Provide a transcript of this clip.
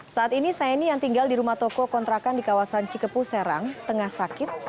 saat ini saini yang tinggal di rumah toko kontrakan di kawasan cikepu serang tengah sakit